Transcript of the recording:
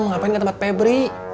ngapain ke tempat febri